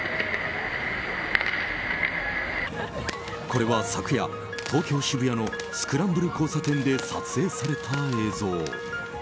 これは昨夜、東京・渋谷のスクランブル交差点で撮影された映像。